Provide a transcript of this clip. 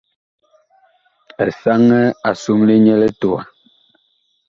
Esanɛ a somle nyɛ litowa.